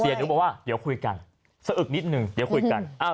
หนูบอกว่าเดี๋ยวคุยกันสะอึกนิดนึงเดี๋ยวคุยกัน